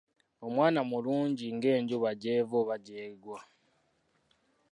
Omwana mulungi ng'enjuba gy'eva oba gy'egwa.